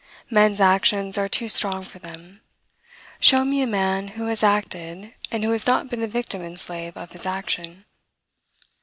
Men's actions are too strong for them. Show me a man who has acted, and who has not been the victim and slave of his action.